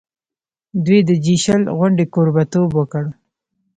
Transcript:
دوی د جي شل غونډې کوربه توب وکړ.